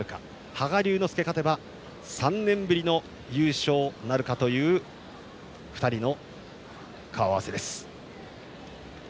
羽賀龍之介が勝てば３年ぶりの優勝なるかという２人の顔合わせです。